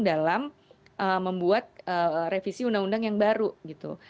dalam membuat revisi undang undang yang baru gitu